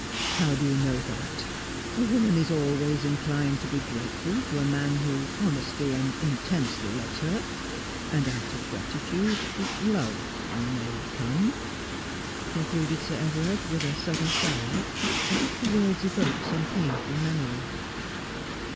' How do you know that ? A woman is always inclined to be grateful to a man who honestly and intensely loves her ; and out of gratitude love — may come,' concluded Sir Everard, with a sudden sigh, as if the words evoked some painful memory.